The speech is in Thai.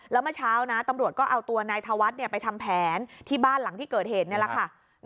แล้วเมื่อเช้านะตำรวจก็เอาตัวนายธวัฒน์ไปทำแผนที่บ้านหลังที่เกิดเหตุนี่แหละค่ะ